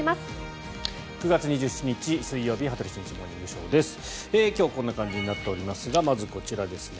９月２７日、水曜日「羽鳥慎一モーニングショー」。今日、こんな感じになっておりますがまず、こちらですね。